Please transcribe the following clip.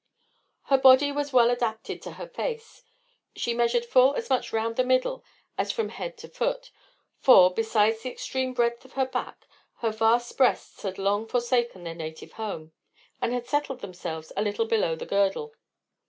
Her body was well adapted to her face; she measured full as much round the middle as from head to foot; for, besides the extreme breadth of her back, her vast breasts had long since forsaken their native home, and had settled themselves a little below the girdle.